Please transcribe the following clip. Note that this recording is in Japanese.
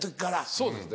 そうですね。